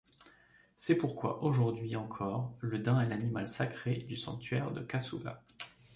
C'est pourquoi aujourd'hui encore le daim est l'animal sacré du sanctuaire de Kasuga.